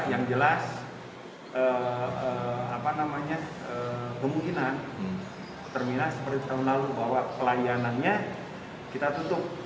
yang jelas kemungkinan terminal seperti tahun lalu bahwa pelayanannya kita tutup